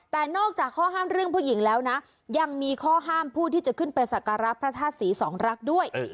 แต่นอกจากข้อห้ามเรื่องผู้หญิงแล้วนะยังมีข้อห้ามผู้ที่จะขึ้นไปสักการะพระธาตุศรีสองรักด้วย